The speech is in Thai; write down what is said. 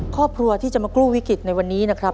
ครอบครัวที่จะมากู้วิกฤตในวันนี้นะครับ